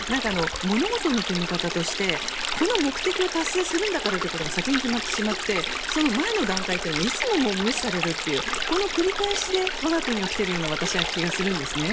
物事の決め方としてこの目的を達成するんだからということが先に決まってしまってその前の段階というのがいつも無視されるというこの繰り返しで我が国は来ているような気が私はするんですよね。